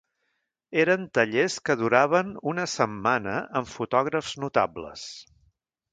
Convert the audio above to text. Eren tallers que duraven una setmana amb fotògrafs notables.